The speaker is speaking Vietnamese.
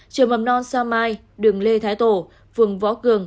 bốn trường mầm non sa mai đường lê thái tổ phường võ cường